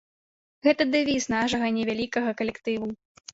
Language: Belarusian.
Гэта дэвіз нашага невялікага калектыву.